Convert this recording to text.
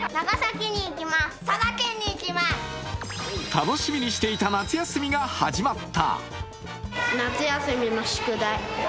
楽しみにしていた夏休みが始まった。